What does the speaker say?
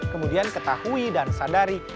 kemudian ketahui dan sadari